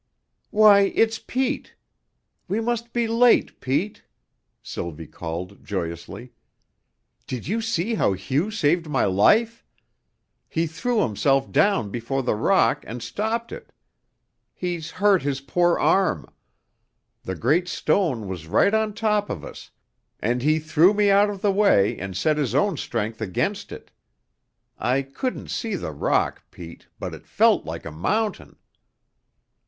"Why, it's Pete. We must be late, Pete," Sylvie called joyously. "Did you see how Hugh saved my life? He threw himself down before the rock and stopped it. He's hurt his poor arm. The great stone was right on top of us, and he threw me out of the way and set his own strength against it. I couldn't see the rock, Pete, but it felt like a mountain."